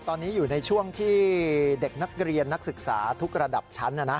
ตอนนี้อยู่ในช่วงที่เด็กนักเรียนนักศึกษาทุกระดับชั้น